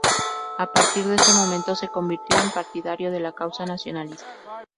A partir de ese momento, se convirtió en partidario de la causa nacionalista.